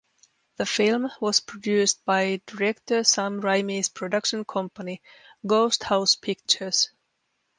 The film was produced by director Sam Raimi's production company, "Ghost House Pictures".